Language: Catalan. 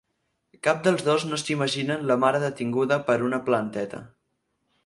Cap dels dos no s'imaginen la mare detinguda per una planteta.